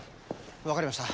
分かりました。